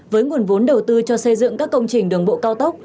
với nguồn vốn đầu tư cho xây dựng các công trình đường bộ cao tốc